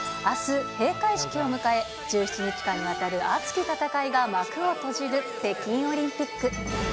あす、閉会式を迎え、１７日間にわたる熱き戦いが幕を閉じる北京オリンピック。